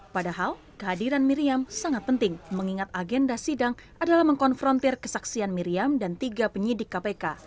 padahal kehadiran miriam sangat penting mengingat agenda sidang adalah mengkonfrontir kesaksian miriam dan tiga penyidik kpk